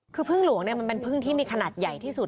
คือพึ่งหลวงเนี่ยมันเป็นพึ่งที่มีขนาดใหญ่ที่สุด